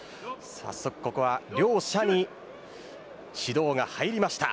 早速ここは両者に指導が入りました。